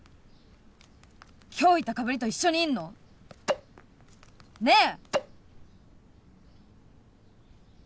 今日いた被りと一緒にいんの？ねえ」。